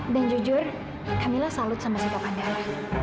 dan jujur kak mila salut sama siapap andara